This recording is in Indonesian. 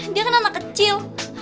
dia kan anak kecil